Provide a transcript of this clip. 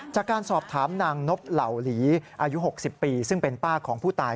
จากการสอบถามนางนบเหล่าหลีอายุ๖๐ปีซึ่งเป็นป้าของผู้ตาย